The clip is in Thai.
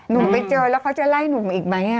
หนุ่มไปเจอแล้วเขาจะไล่หนุ่มอีกไหม